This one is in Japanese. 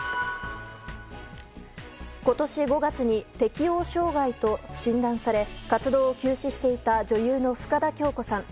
今年５月に適応障害と診断され活動を休止していた女優の深田恭子さん。